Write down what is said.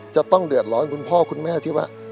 จะต้องเดือดร้อนคุณพ่อคุณแม่ที่ว่า